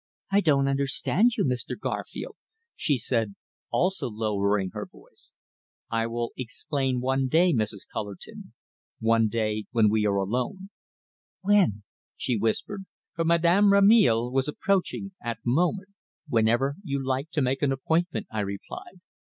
"I don't understand you, Mr. Garfield!" she said, also lowering her voice. "I will explain one day, Mrs. Cullerton one day when we are alone." "When?" she whispered, for Madame Rameil was approaching at the moment. "Whenever you like to make an appointment," I replied.